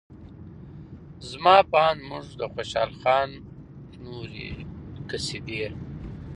زما په اند موږ د خوشال خان نورې قصیدې